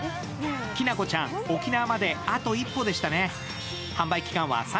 きなこちゃん、沖縄まであと一歩でしたね。